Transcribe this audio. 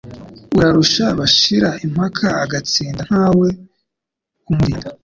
Urarusha, bashira impaka Agatsinda ntawe umurinda.